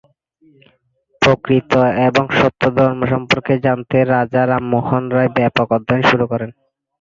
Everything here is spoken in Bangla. প্রকৃত এবং সত্য ধর্ম সম্পর্কে জানতে রাজা রামমোহন রায় ব্যাপক অধ্যায়ন শুরু করেন।